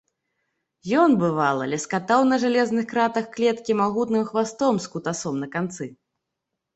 Ён, бывала, ляскатаў на жалезных кратах клеткі магутным хвастом з кутасом на канцы.